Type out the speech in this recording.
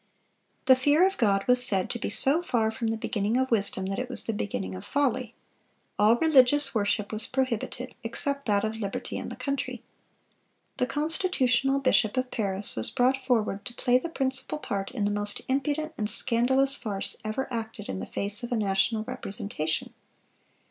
The fear of God was said to be so far from the beginning of wisdom that it was the beginning of folly. All religious worship was prohibited, except that of liberty and the country. The "constitutional bishop of Paris was brought forward to play the principal part in the most impudent and scandalous farce ever acted in the face of a national representation....